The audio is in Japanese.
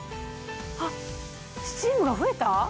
あっスチームが増えた？